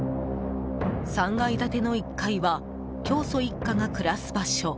３階建ての１階は教祖一家が暮らす場所。